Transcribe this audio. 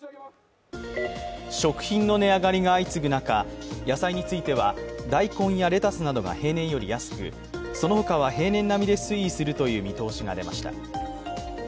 食品の値上がりが相次ぐ中、野菜については大根やレタスなどが平年より安くその他は平年並みで推移するという見通しが出ました。